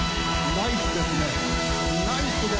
ナイスですねこれ。